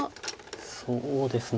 そうですね。